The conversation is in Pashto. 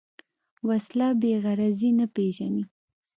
وسله بېغرضي نه پېژني